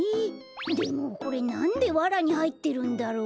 でもこれなんでわらにはいってるんだろう？